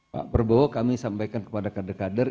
pak prabowo kami sampaikan kepada kader kader